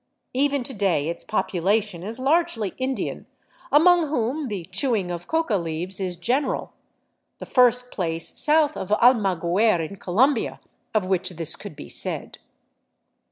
Even to day its population is largely Indian, among whom the chewing of coca leaves is general — the first place south of Almaguer in Colom bia of which this could be said.